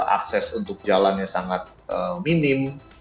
akses untuk jalannya sangat minim